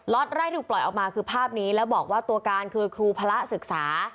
็ตแรกที่ถูกปล่อยออกมาคือภาพนี้แล้วบอกว่าตัวการคือครูพระศึกษา